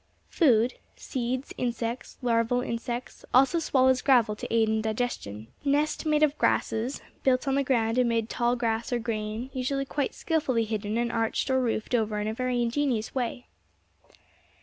Food seeds, insects, larval insects, also swallows gravel to aid in digestion. Nest made of grasses built on the ground amid tall grass or grain usually quite skilfully hidden and arched or roofed over in a very ingenious way.